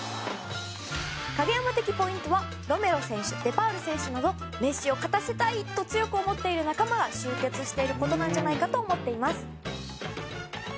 影山的ポイントはロメロ選手、デパウル選手などメッシを勝たせたいと強く思っている仲間が集結していることなんじゃないかと思っています！